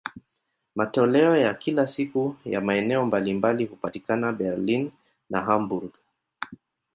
Matoleo ya kila siku ya maeneo mbalimbali hupatikana Berlin na Hamburg.